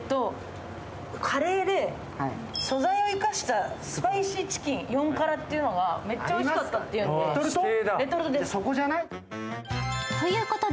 カレーで、素材を生かしたスパイシーチキン４辛がめっちゃおいしかったって言うんで。